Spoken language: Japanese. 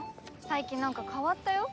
最近なんか変わったよ。